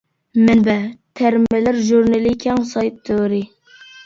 مەنبە: تەرمىلەر ژۇرنىلى كەڭ ساي تورى.